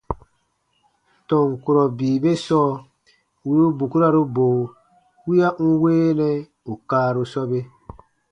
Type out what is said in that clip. Tɔn kurɔ bii be sɔɔ wì u bukuraru bo wiya n weenɛ ù kaaru sɔbe.